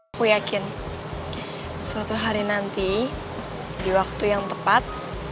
aku yakin suatu hari nanti di waktu yang tepat